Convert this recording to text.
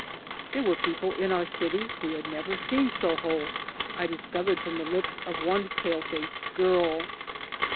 There were people in our city who had never seen Soho, I discovered from the lips of one pale faced girl.